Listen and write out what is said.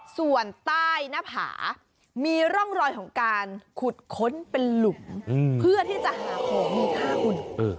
ส่วนใต้หน้าผามีร่องรอยของการขุดค้นเป็นหลุมเพื่อที่จะหาของมีค่าคุณ